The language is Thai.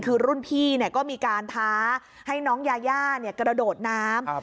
คือรุ่นพี่ก็มีการท้าให้น้องยาย่ากระโดดน้ำ